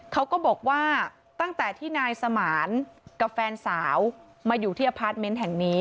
เขาก็บอกว่าตั้งแต่ที่นายสมานกับแฟนสาวมาอยู่ที่อพาร์ทเมนต์แห่งนี้